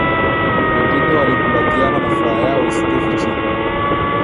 Wengine walikumbatiana na furaha yao isingefichika